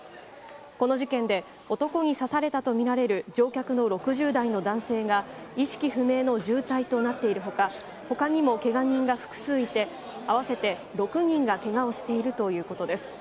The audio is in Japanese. この事件で、男に刺されたと見られる乗客の６０代の男性が、意識不明の重体となっているほか、ほかにもけが人が複数いて、合わせて６人がけがをしているということです。